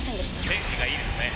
天気がいいですね。